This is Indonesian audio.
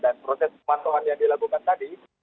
dan proses pematuhan yang dilakukan tadi